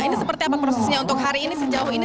ini seperti apa prosesnya untuk hari ini sejauh ini